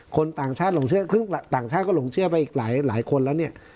คนต่างชาติหลงเชื่อครึ่งต่างชาติก็หลงเชื่อไปอีกหลายคนแล้วเนี่ย